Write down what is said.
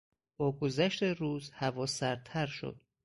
با گذشت روز هوا سردتر شد.